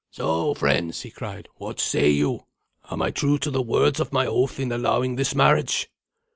"So, friends," he cried, "what say you? Am I true to the words of my oath in allowing this marriage?"